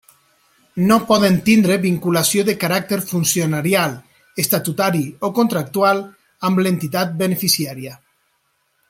No poden tindre vinculació de caràcter funcionarial, estatutari o contractual amb l'entitat beneficiària.